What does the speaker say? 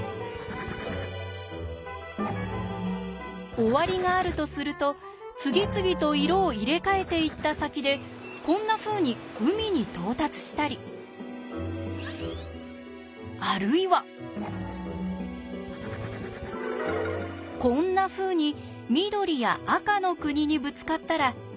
終わりがあるとすると次々と色を入れ替えていった先でこんなふうに海に到達したりあるいはこんなふうに緑や赤の国にぶつかったら無事終了です。